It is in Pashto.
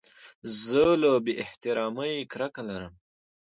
زه له بې احترامۍ کرکه لرم.